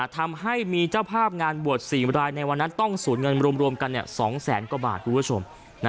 ทำให้มีเจ้าภาพงานบวช๔รายในวันนั้นต้องสูญเงินรวมกัน๒แสนกว่าบาทคุณผู้ชม